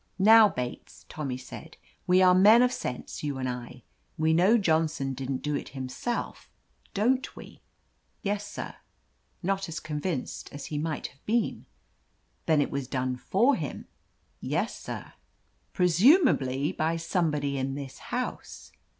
"Now, Bates," Tommy said, "we are men of sense, you and I. We know Johnson didn't do « it himself, don't we?" "Yes, sir." Not as convinced as he might have been. "Then it was done for him." "Yes, sir." 'Presumably by somebody in this house."